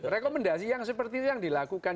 rekomendasi yang seperti itu yang dilakukan